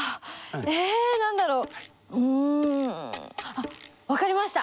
あっ分かりました！